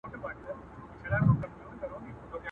خپل جنون په کاڼو ولم!